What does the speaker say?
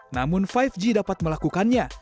namun lima g dapat melakukannya